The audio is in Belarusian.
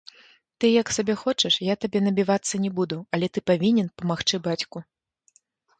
Ты як сабе хочаш, я табе набівацца не буду, але ты павінен памагчы бацьку.